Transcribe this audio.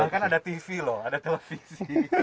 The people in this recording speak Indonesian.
bahkan ada tv loh ada televisi